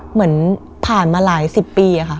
เหมือนผ่านมาหลายสิบปีค่ะ